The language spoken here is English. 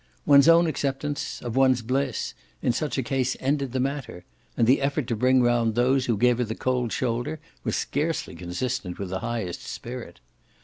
One's own acceptance of one's bliss in such a case ended the matter, and the effort to bring round those who gave her the cold shoulder was scarcely consistent with the highest spirit.